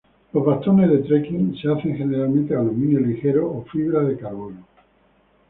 Los bastones de trekking se hacen generalmente de aluminio ligero o fibra de carbono.